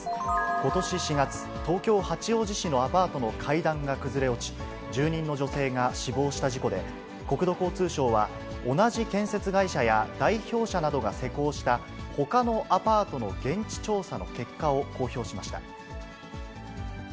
ことし４月、東京・八王子市のアパートの階段が崩れ落ち、住人の女性が死亡した事故で、国土交通省は、同じ建設会社や代表者などが施工したほかのアパートの現地調査の結果を公表しました。